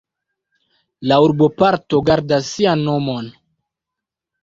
La urboparto gardas sian nomon.